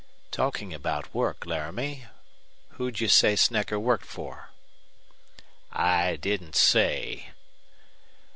"Talking about work, Laramie, who'd you say Snecker worked for?" "I didn't say."